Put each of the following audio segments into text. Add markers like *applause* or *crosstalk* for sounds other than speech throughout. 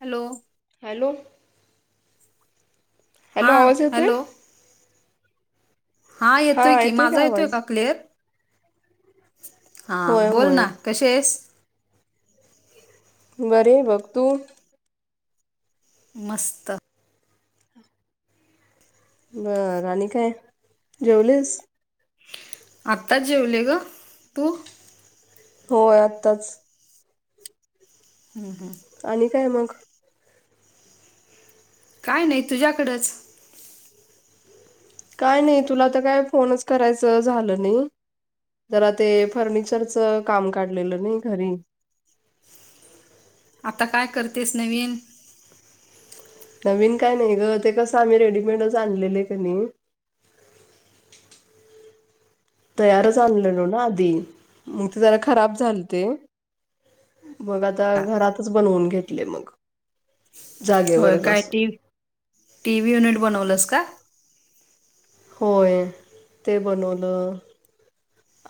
Hello. Hello. Hello हां आवाज येतोय हॅलो. हा येतोय की माझा येतोय का कलेअर हा होय बोल होय ना. कशी आहेस. बरे आहे बघ, तू. मस्त. बरं आणि काय जेवलीस? आत्ताच जेवले ग. तू? होय आताच. हां हां. आणि काय मग? काय नाही तुझ्याकडंच? काय नाही तुला तर काय फोनच करायचं झालं नाही. जरा ते फर्निचरच काम काढलेलं नाही घरी. आता काय करतेस नवीन? नवीन काय नाही ग ते कसं आम्ही रेडीमेडच आणलेले आहे कने तयारच आणलेलो ना आधी मग ते जरा खराब झालते मग आता घरातच बनवून घेतले मग. होय जागेवरच काय असं टी-टीव्ही युनिट बनवलंस का? होय ते बनवलं.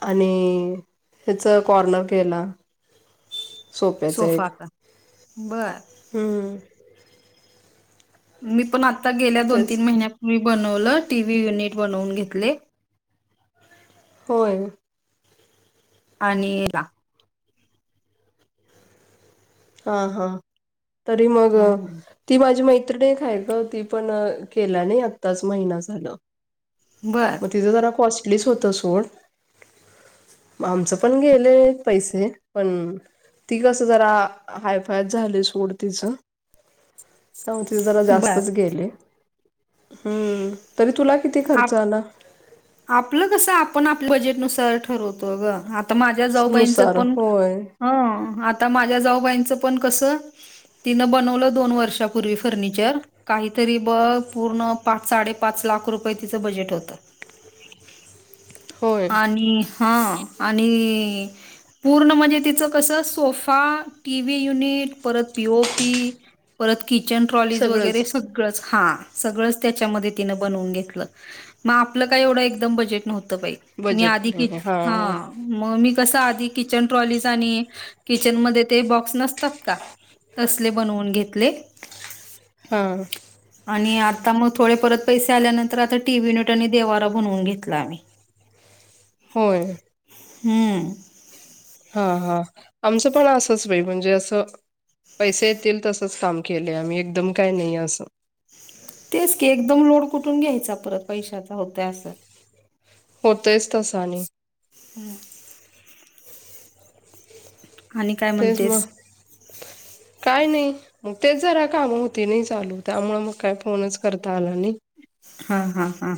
आणि हेच कॉर्नर केला. सोप्याच एक सोफाचा बर हम्म. मी पण आता गेल्या दोन, तेच तीन महिन्यापूर्वी बनवलं टी व्ही युनिट बनवून घेतले. होय. आणि हां हां तरी मग हम्म. ती माझी मैत्रिणी एक हाय ग ती पण केल्या नाही आत्ताच महिना झाल. बरं. मग तिज जरा कॉस्टलीच होतं सोड. आमचं पण गेले पैसे पण ती कसं जरा हायफायच झालय सोड तिचं. आमचे जरा बर जास्तच गेले. हम्म. तरी तुला किती खर्च आप आला? आपलं कसं आपण आपल्या बजेटनुसार ठरवतो ग. आता माझ्या जाऊबाईंचं नुसार पण होय हं आता माझ्या जाऊबाईंचं पण कसं तिनं बनवलं दोन वर्षापूर्वी फर्निचर काहीतरी बघ पूर्ण पाच साडेपाच लाख रुपये तिचं बजेट होतं. होय आणि हां आणि पूर्ण म्हणजे तिचं कसं सोफा टी व्ही युनिट परत पीओपी परत किचन ट्रॉलीज वगैरे सगळंच सगळच त्याच्यामधुन तिने बनवून घेतलं मग आपलं काय एवढ एकदम बजेट नव्हतं बाई मी बजेट आधी कि नाही हां मग मी कसं आधी किचन ट्रॉलीज आणि किचनमध्ये ते बॉक्स नसतात का? तसले बनवून घेतले. हां. आणि आता मग थोडे परत पैसे आल्यानंतर आता टी व्ही युनिट आणि देवारा बनवून घेतलाय. होय. हम्म. हां हां आमचं पण असंच बाई म्हणजे असं पैसे येतील तसच काम केलय आम्ही. एकदम काय नाही असं तेच की एकदम लोड कुठून घ्यायचा परत पैशाचा होत असं होतयच तसं आणि हम्. *inaudible* तेच म्हणतेस मग काय नाही मग तेच जरा काम होती नाही चालू त्यामुळे मग काय फोनच करता आला नाही. हां हां हां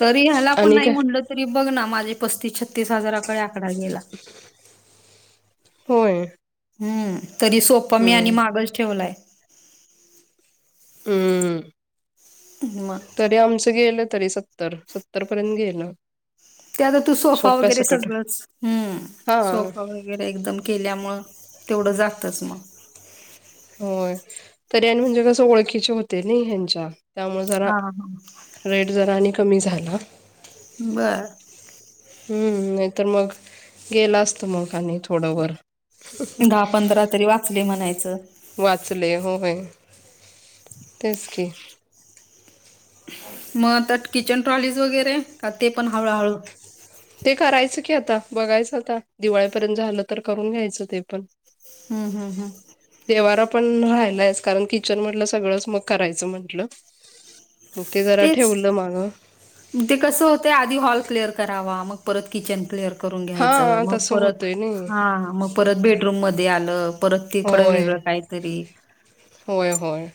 तरी ह्याला आपण आणि नाही काय म्हणल तरी बघ ना माझे पस्तीस, छत्तीस हजाराकडे आकडा गेला. होय. हम्म तरी सोपा मी आणि हम्म मागच ठेवलाय. हम. मग ते आमचं गेलं तरी सत्तर सत्तर पर्यंत गेलं. ते आता तू सोफा सोप्या वगैरे सकट सगळंच हम्म हां सोफा वगैेरे वगैरे एकदम केल्यामुळे तेवढं जातच मग. होय तरी आणि म्हणजे कसं ओळखीचे होते नाही ह्यांच्या त्यामुळे जरा हा हा. रेट जरा आणि कमी झाला. बर. हम्म नाही तर मग गेल असत मग आणि थोडं वर. दहा पंधरा तरी वाचले म्हणायच वाचले होय तेच की मग तर किचन ट्रॉलीज वगैरे का ते पण हळूहळू? ते करायचं की आता बघायचं आता दिवाळीपर्यंत झालं तर करून घ्यायचं ते पण. ह ह ह. देवारा पण रायलायचं कारण किचन म्हटलं सगळंच मग करायचं म्हटलं. मग ते जरा तेच ठेवल माग. ते कसं होतेय, आधी हॉल क्लिअर करावा मग परत किचन क्लिअर करून घ्यायच हा मग तसं परत होतंय नाही हा हा मग परत बेडरूम मध्ये आलं, परत तिकडं होय वेगळं काहीतरी. होय होय.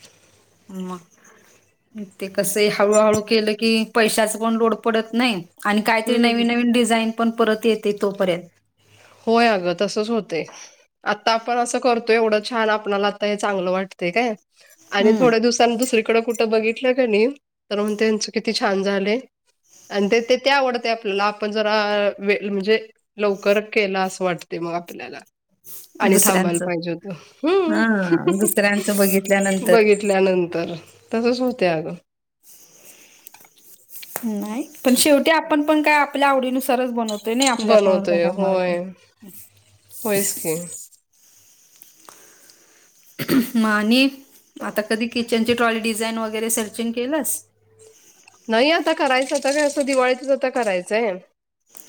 मग ते कस हळूहळू केलं की, पैशाच पण लोड पडत नाही. आणि काहीतरी हम्म नवीन नवीन डिझाईन पण परत येते तोपर्यंत. होय, अगं तसच होतय. आता आपण असं करतोय, एवढं छान आपल्याला आता हे चांगलं वाटते काय. आणि थोड्या हम्म दिवसांनी दुसरीकडे कुठं बघितलं कनय तर, मग त्यांच किती छान झालय. आणि ते ते त्या आवडते आपल्याला आपण जरा वेळ म्हणजे लवकर केला असं वाटते, मग आपल्याला. आणि थांबायला दुसऱ्यांचं पाहिजे होत, हा दुसऱ्यांचं ह बघितल्यानंतर बघितल्या नंतर तर तसचं होतयं अगं. नाही, पण शेवटी आपण पण काय आपल्या आवडी नुसारच बनवतो. नाही आपल्या पण बनवतोय घरामध्ये होय ते. होयच की. म आणि आता कधी किचनचे ट्राली डिझाईन वगैरे सर्चिंग केलंस? नाही, आता करायचं आता काय असं दिवाळीतच आता करायचंय.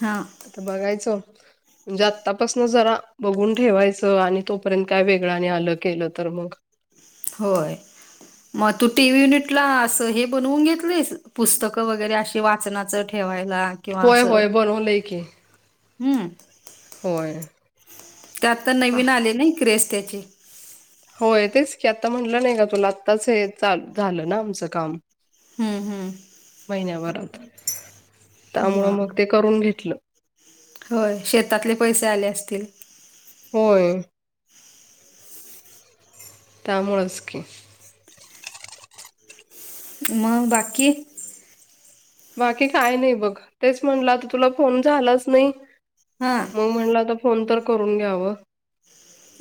हा. आता बघायच. म्हणजे आतापासन जरा बघून ठेवायचं आणि तोपर्यंत काय वेगळं आणि आलं केलं तर मग होय. मग तू टी व्ही युनिट ला अस हे बनवून घेतलीस पुस्तकं वगैरे असे वाचनाचं ठेवायला किंवा होय असं होय बनवलंय की हम्म होय ते आता आह, नवीन आलय नाही क्रेस त्याचे. होय तेच की आता म्हटलं नाही का तुला आत्ताच हे चाल झालं ना आमचं काम. हम्म हम्म. महिन्याभरात त्यामुळ मग ते करून घेतलं. होय. शेतातले पैसे आले असतील? होय त्यामुळेच की. मग बाकी? बाकी काय नाही बघ तेच म्हणलं आता तुला फोन झालाच नाही. हा. मग म्हणलं तर फोन तर करून घ्यावं.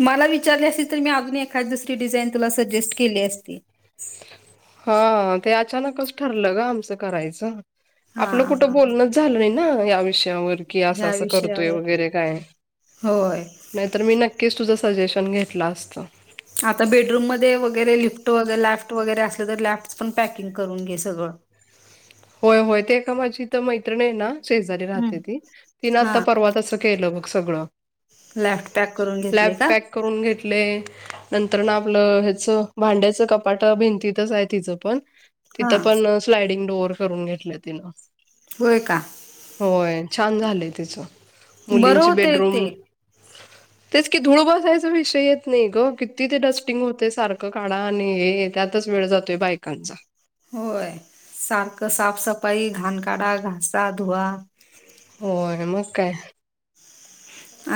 मला विचारले असेल तर मी अजून एखाददी दुसरी डिझाईन तुला सजेस्ट केली असती. हा ते अचानकच ठरलं ग आमचं करायचं. हा आपलं कुठं हा हा बोलणच झालं नाही ना या विषयावर. की असं ह्या असं करतोय विषयावर वगैरे काय. होय. नाहीत मी नक्कीच तुझं सजेशन घेतलं असतं. आता बेडरूममध्येध्ये वगैरे लिफ्ट वगैरे लॅफ्ट वगैरे असलं तर लॅफ्ट पण पॅकिंग करून घे सगळं. होय होय ते ए का माझी तर मैत्रिणी आहे ना शेजारी राहते हम्म. ती ती ना आता हा परवाात अस. केलं बघ सगळं. लॅफ्ट पॅक करून लॅब घेतले का पॅक करून घेतले. नंतर ना आपलं ह्याच भांड्याचं कपाट भिंतीतच आहे तिचं पण. हा तिथं पण स्लायडिंग डोअर करून घेतलं तिनं. होय का. होय छान झालंय तिचं बरं मुलींची होतय ते बेडरूम. तेच की धूळ बसायचा विषय येत नाही ग किती ते डस्टिंग होतय सारखं काढा आणि हे. त्यातच वेळ जातोय बायकांचा. होय सारखं साफसफाई घाण काढा घासा धुवा. होय मग काय.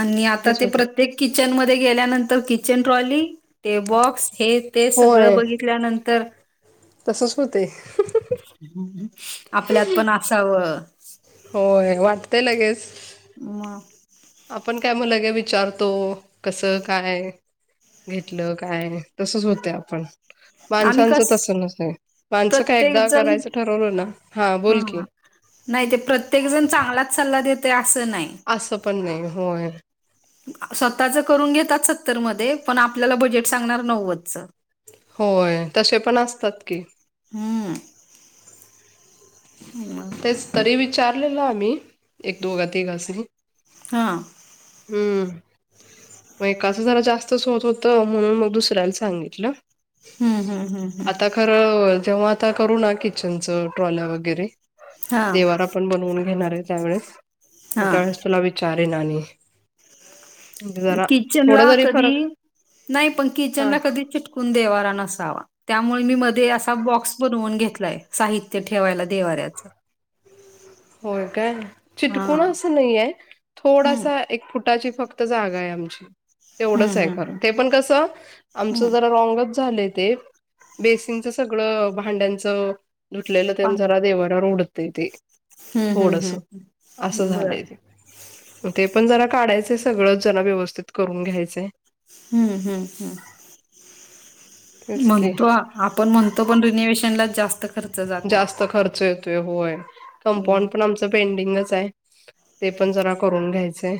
आणि आता तेच ते होते प्रत्येक किचन मध्ये गेल्यानंतर किचन ट्रॉली ते बॉक्स हे. ते सगळं बघितल्यानंतर. तसंच होतंय. आपल्यात पण असावं. होय वाटतय लगेच. म. आपण काय म लगे विचारतो कसं काय. घेतलं काय तसच होतयं आपण. आणि माणसांचं कस तस नसतंय माणसं काय प्रत्येक एकदा जण करायचं ठरवलं ना हा बोल की. नाही ते प्रत्येक जण चांगलाच सल्ला देतंय असं नाही. असं पण नाही होय. स्वतःच करून घेतात सत्तर मध्ये पण आपल्याला बजेट सांगणार नव्वदचं. होय तसे पण असतात की. हम्म मग तेच तरी विचार. आलेला आम्ही एक दोघा तिघांसनी. हा. हम्म. मग एकाचं जरा जास्तच होत होत म्हणून मग दुसऱ्याला सांगितलं. हम् हम्म हम्म हम्म. आता खरं जेव्हा आता करू ना किचनचं ट्रॉल्या वगैरे हां देवारा. पण बनवून घेणार आहे त्यावेळेस मग हां त्यावेळेस तुला विचारेन आणि. म्हणजे जरा किचन थोडा ला जरी कधी फरक नाही पण किचन हा ला कधी चिटकून देवा नसावा. त्यामुळे मी मध्ये असा बॉक्स बनवून घेतलाय साहित्य ठेवायला देवाऱ्याचं. होय काय चिटकुण हां असं नाही आहे हम्म थोडासा. एक फुटाची फक्त जागा आहे आमची. तेवढंच हम्म आहे हम्म खर हम्म ते पण कसं हम्म आमचं जरा रॉंगच झालंय ते. बेसिनचं सगळं भांड्यांचं धुतलेलं पा तेन जरा देवाऱ्यावर उडतंय ते. हम्म हम्म हम्म थोडंसं असं हम्म. बरं झालंय ते. ते पण जरा काढायचंय सगळंच जरा व्यवस्थित करून घ्यायचं. हम्म हम्म हम्म तेच की म्हणतो आप आपण म्हणतो पण रिन्यूवेशनलाच जास्त खर्च जातय जास्त खर्च येतोय होय. मग कंपाऊंड पण आमचं पेंडिंगच आहे ते पण जरा करून घ्यायचंय.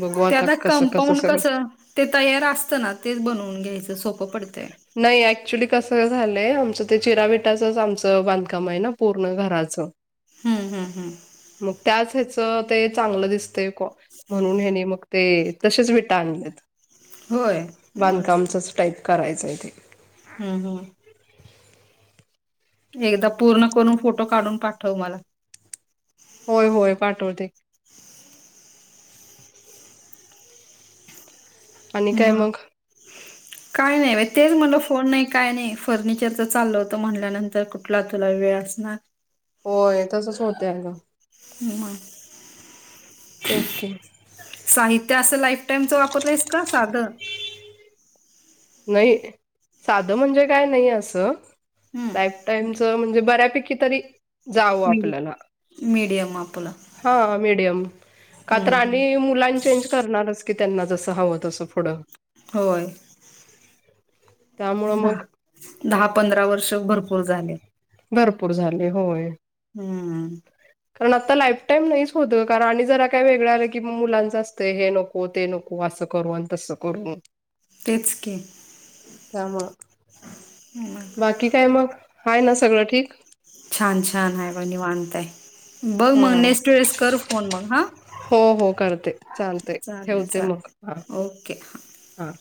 बघू ते आता कसं कसं कंपाऊंड सगळं कस ते तयार असतं ना तेच बनवून घ्यायचं सोपं पडतंय. नाही ऍक्च्युली कसं झालंय आमचं ते चिरा विटाचंच आमच चं बांधकाम आहे ना पूर्ण घराचं हम्म हम्म हम्म मग त्याच हेच त ते चांगलं दिसतंय कॉ म्हणून हेंनी मग ते तसेच विटा आणलेत. होय मग बांधकामचच टाईप करायचं हाय तेे हम्म हूं एकदा पूर्ण करून फोटो काढून पाठव मला. होय होय पाठवते. आणि काय म मग? काय नाय तेच म्हटलं फोन नाय काय नाही. फर्निचरच चालल होतं म्हणल्यानंतर कुठला तुला वेळ असणार. होय तसंच होतय अग. म तेच की साहित्य असं लाईफ टाईमच वापरलंईस का साध नाही साधं म्हणजे काय नाही असं लाईफ हम्म टाईमच म्हणजे बऱ्यापैकी तरी जावं आपल्याला ते मापूला. हा मीडियम का तर आणि मुलां चेंज करणारच की त्यांना जसं हवं तसं पुढं. होय. त्यामुळं मग दहा दहा पंधरा वर्ष भरपूर झाले. भरपूर झाले होय. हम्म. कारण आता लाईफ टाईम नाहीच होतं कारण आणि जरा काय वेगळं आलं की मुलांचं असतं हे नको हो ते नको असं करू आणि तसं करू. तेच की त्या मुळं बाकी काय मग. हाय ना सगळं ठीक. छान छान आहे ब निवांत हाय बघ मग ह नेक्स्ट वेळेस कर फोन मग हा हो हो करते चालतय चालेल ठेवते मग हा चालेल ओके हा हा.